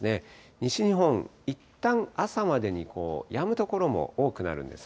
西日本、いったん朝までにやむ所も多くなるんですが。